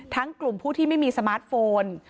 กลุ่มผู้ที่ไม่มีสมาร์ทโฟน